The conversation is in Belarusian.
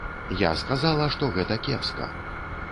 Я сказала, што гэта кепска.